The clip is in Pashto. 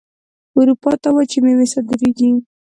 اروپا ته وچې میوې صادریږي.